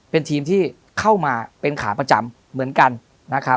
เป็นทีมที่เข้ามาเป็นขาประจำเหมือนกันนะครับ